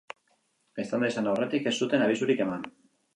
Eztanda izan aurretik ez zuten abisurik eman.